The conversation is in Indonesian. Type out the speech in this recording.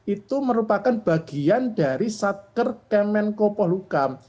itu merupakan bagian dari satker kemenko polukam